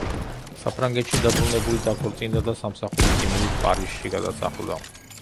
საფრანგეთში დაბრუნებული დაქორწინდა და სამსახურის იმედით პარიზში გადასახლდა.